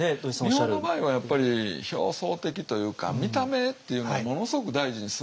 日本の場合はやっぱり表層的というか見た目っていうのをものすごく大事にするんですね。